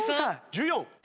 １４！